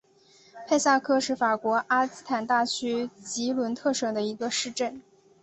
佩萨克是法国阿基坦大区吉伦特省的一个市镇。